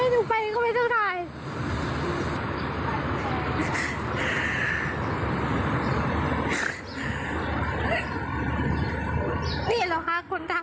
หนูเพิ่งมาจากเพชรโบนเมื่อผ่าน